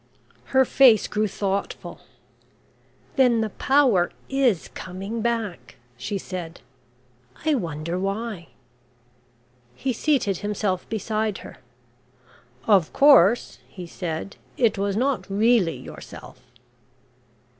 Her face grew thoughtful. "Then the power is coming back," she said. "I wonder why." He seated himself beside her. "Of course," he said, "it was not really yourself?"